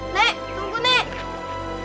nek tunggu nek